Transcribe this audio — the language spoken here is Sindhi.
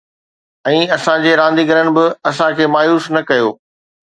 ۽ اسان جي رانديگرن به اسان کي مايوس نه ڪيو